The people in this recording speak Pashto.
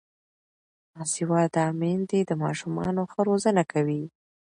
باسواده میندې د ماشومانو ښه روزنه کوي.